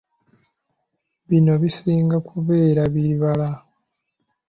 Bino bisinga kubeera bibala.